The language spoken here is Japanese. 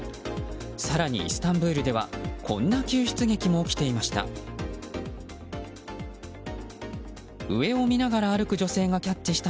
更に、イスタンブールではこんな救出劇も起きていました。